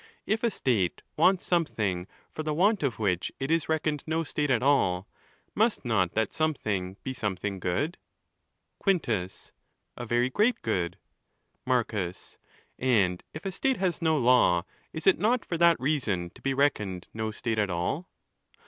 If a state wants something for the want of which it is reckoned no state at all, must not that something be something good? Quintus.—A very great good. Marcus.—And if a state has no law, is it not for that reason to be reckoned no state at all? ON THE LAWS.